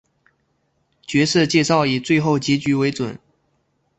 角色介绍以最后结局为准。